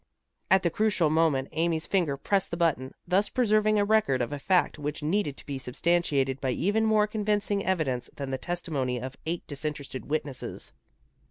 At the crucial moment Amy's finger pressed the button, thus preserving a record of a fact which needed to be substantiated by even more convincing evidence than the testimony of eight disinterested witnesses.